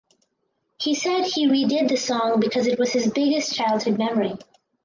He said he redid the song because it was his biggest childhood memory.